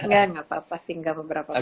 gak apa apa tinggal beberapa minit